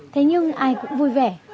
thế nhưng ai cũng vui vẻ